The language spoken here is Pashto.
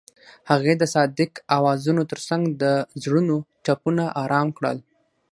هغې د صادق اوازونو ترڅنګ د زړونو ټپونه آرام کړل.